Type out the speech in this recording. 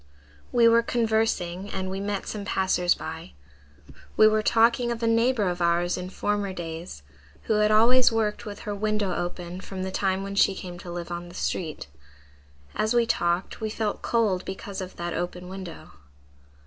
"We were conversing and we met some passers by. We were talking of a neighbor of ours in former days, who had always worked with her window open from the time when she came to live on the street. As we talked we felt cold because of that open window.